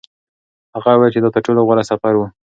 هغه وویل چې دا تر ټولو غوره سفر و.